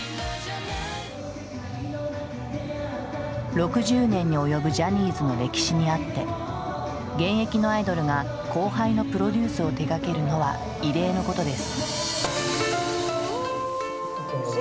６０年に及ぶジャニーズの歴史にあって現役のアイドルが後輩のプロデュースを手がけるのは異例のことです。